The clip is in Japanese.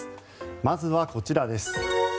まずはこちらです。